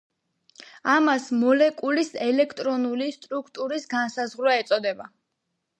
ამას მოლეკულის ელექტრონული სტრუქტურის განსაზღვრა ეწოდება.